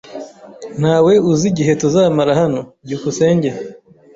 Ntawe uzi igihe tuzamara hano? byukusenge